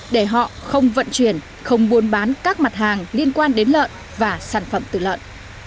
để họ không vận chuyển không buôn bán các mặt hàng liên quan đến lợn và sản phẩm từ lợn